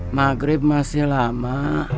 maghrib masih lama